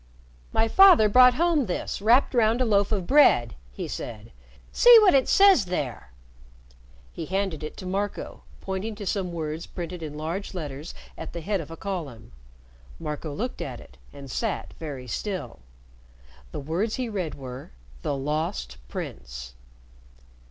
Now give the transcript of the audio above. "My father brought home this, wrapped round a loaf of bread," he said. "See what it says there!" He handed it to Marco, pointing to some words printed in large letters at the head of a column. Marco looked at it and sat very still. The words he read were: "The Lost Prince."